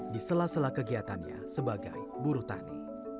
di sela sela kegiatannya sebagai buruh tani